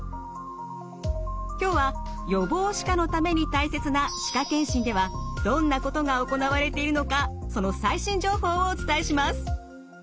今日は予防歯科のために大切な歯科健診ではどんなことが行われているのかその最新情報をお伝えします。